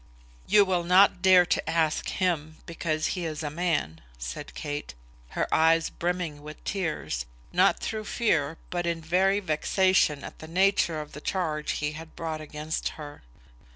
"You will not dare to ask him, because he is a man," said Kate, her eyes brimming with tears, not through fear, but in very vexation at the nature of the charge he had brought against her.